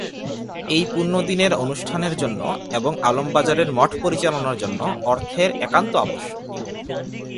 এই পুণ্যদিনের অনুষ্ঠানের জন্য এবং আলমবাজারের মঠ পরিচালনার জন্য অর্থের একান্ত আবশ্যক।